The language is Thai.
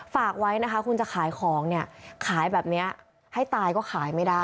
ฝากไว้นะคะคุณจะขายของเนี่ยขายแบบนี้ให้ตายก็ขายไม่ได้